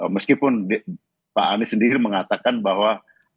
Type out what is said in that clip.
meskipun pak anies sendiri mengatakan bahwa